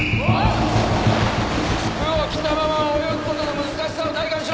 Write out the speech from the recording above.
服を着たまま泳ぐことの難しさを体感しろ。